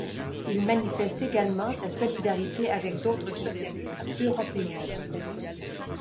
Il manifeste également sa solidarité avec d'autres socialistes européens.